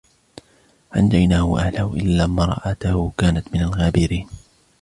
فَأَنْجَيْنَاهُ وَأَهْلَهُ إِلَّا امْرَأَتَهُ كَانَتْ مِنَ الْغَابِرِينَ